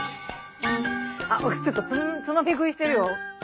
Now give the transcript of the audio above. ちょっとつまみ食いしてるよ。